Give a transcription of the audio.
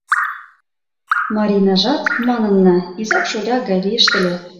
Марийнажат, манынна, изак-шоляк гай лийышт ыле.